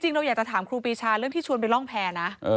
เราอยากจะถามครูปีชาเรื่องที่ชวนไปร่องแพร่นะ